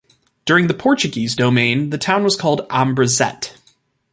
During the Portuguese domain the town was called Ambrizete.